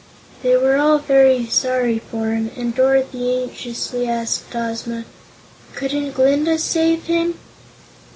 They were all very sorry for him, and Dorothy anxiously asked Ozma: "Couldn't Glinda save him?"